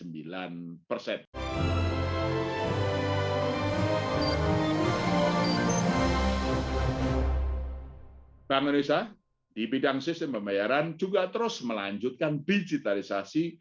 bank indonesia di bidang sistem pembayaran juga terus melanjutkan digitalisasi